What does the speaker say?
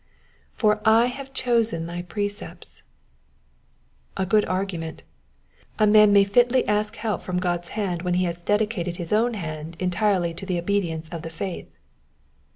^^For I have chosen thy precepU.^^ A good argument. A man may fitly ask help from God's hand when he has dedicated his own hand entirely to the obedience of the faith.